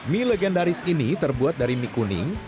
mie legendaris ini terbuat dari mie kuning